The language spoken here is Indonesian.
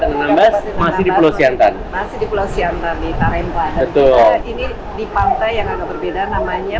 siantan masih di pulau siantan di tarimpan betul ini di pantai yang agak berbeda namanya